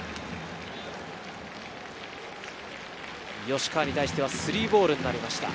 吉川に対しては３ボールになりました。